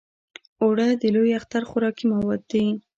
اوړه د لوی اختر خوراکي مواد دي